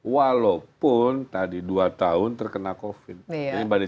walaupun tadi dua tahun terkena covid